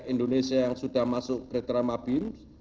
indonesia yang sudah masuk kritera mabin